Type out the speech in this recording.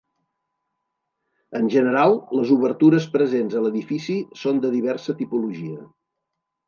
En general, les obertures presents a l'edifici són de diversa tipologia.